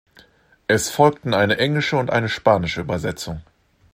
Es folgten eine englische und eine spanische Übersetzung.